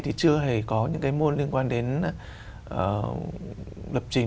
thì chưa hề có những cái môn liên quan đến lập trình